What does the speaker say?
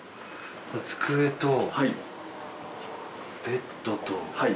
机とベッドと。